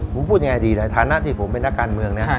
ผมพูดง่ายดีเลยฐานะที่ผมเป็นนักการเมืองเนี่ย